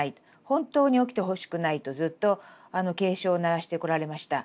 本当に起きてほしくないとずっと警鐘を鳴らしてこられました。